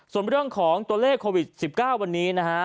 ส่วนเรื่องของตัวเลขโควิด๑๙วันนี้นะฮะ